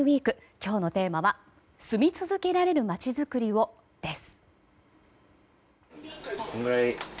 今日のテーマは「住み続けられるまちづくりを」です。